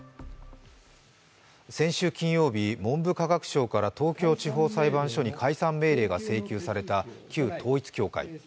先週金曜日、文部科学省から東京地方裁判所に解散命令が請求された旧統一教会。